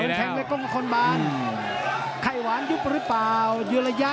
ยมแข่งสงครรภ์หวันยุบหรือเปล่า